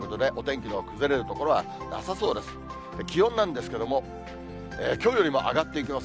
気温なんですけども、きょうよりも上がっていきます。